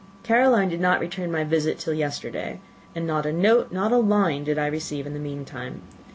Caroline did not return my visit till yesterday; and not a note, not a line, did I receive in the meantime.